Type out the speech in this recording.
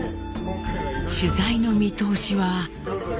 取材の見通しは。